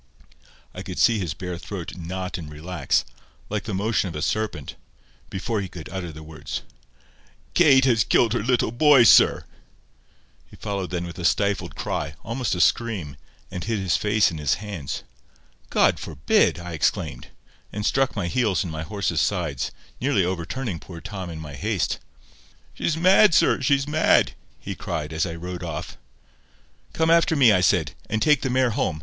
I could see his bare throat knot and relax, like the motion of a serpent, before he could utter the words. "Kate has killed her little boy, sir." He followed them with a stifled cry—almost a scream, and hid his face in his hands. "God forbid!" I exclaimed, and struck my heels in my horse's sides, nearly overturning poor Tom in my haste. "She's mad, sir; she's mad," he cried, as I rode off. "Come after me," I said, "and take the mare home.